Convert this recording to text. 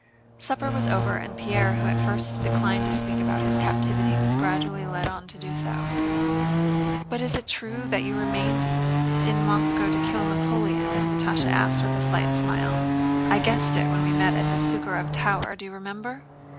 Supper was over, and Pierre who at first declined to speak about his captivity was gradually led on to do so. "But it's true that you remained in Moscow to kill Napoleon?" Natásha asked with a slight smile. "I guessed it then when we met at the Súkharev tower, do you remember?"